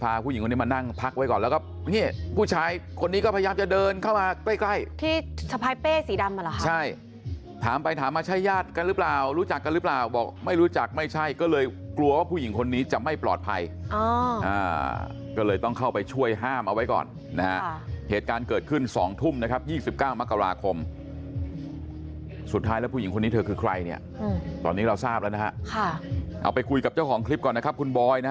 เอาไปคุยกับเจ้าของคลิปก่อนนะครับคุณบอยนะครับ